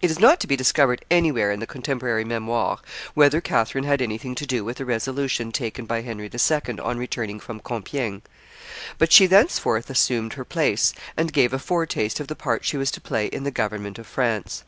It is not to be discovered anywhere in the contemporary Memoires, whether Catherine had anything to do with the resolution taken by Henry II. on returning from Compiegne; but she thenceforward assumed her place, and gave a foretaste of the part she was to play in the government of France.